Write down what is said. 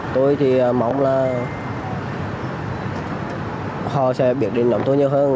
tôi thì mong là họ sẽ biết điện tổng thống nhất hơn